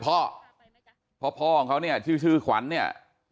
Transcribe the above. เพราะพ่อพ่อของเขาเนี่ยชื่อขวัญเนี่ย